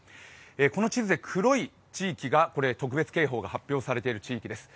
この地図で黒い地域が特別警報が発表されている地域です。